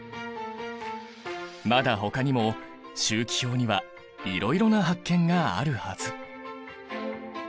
まだほかにも周期表にはいろいろな発見があるはず！